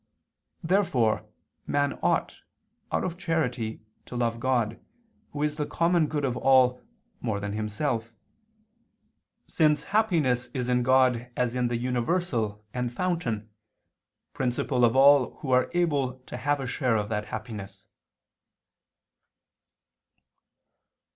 Therefore man ought, out of charity, to love God, Who is the common good of all, more than himself: since happiness is in God as in the universal and fountain principle of all who are able to have a share of that happiness.